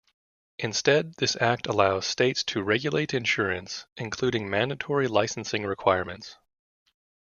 Instead, this act allowed states to regulate insurance, including mandatory licensing requirements.